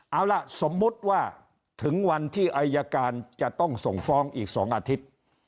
เอาล่ะสมมุติว่าถึงวันที่อายการจะต้องส่งฟ้องอีก๒อาทิตย์